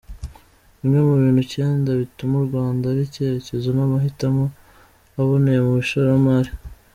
Bimwe mu bintu icyenda bituma u Rwanda ari icyerekezo n’amahitamo aboneye mu ishoramari.